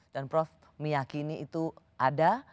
dan prof meyakini itu ada dan bisa didapat